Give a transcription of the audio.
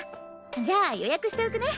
じゃあ予約しておくね！